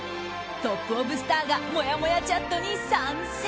トップオブスターがもやもやチャットに参戦！